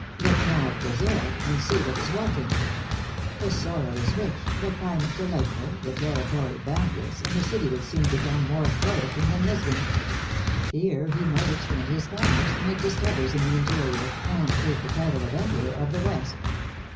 Look now at Brazil, and see what is wanting ! The soil is rich, the climate delightful, the territory boundless, and the city would soon become more flourishing than Lis bon. Here he might extend his commerce, make discoveries in the interior, and take the title of Em peror of the West.